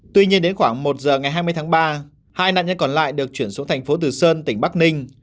tuy nhiên đến khoảng một giờ ngày hai mươi tháng ba hai nạn nhân còn lại được chuyển xuống thành phố từ sơn tỉnh bắc ninh